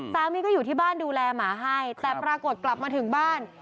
สามีก็อยู่ที่บ้านดูแลหมาให้แต่ปรากฏกลับมาถึงบ้าน